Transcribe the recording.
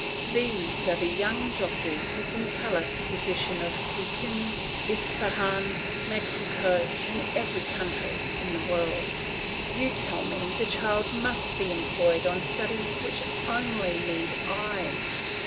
These are the young doctors who can tell us the position of Pekin, Ispahan, Mexico, and every country in the world. You tell me the child must be employed on studies which only need eyes.